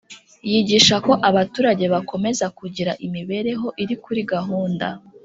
yigisha ko abaturage bakomeza kugira imibereho iri kuri gahunda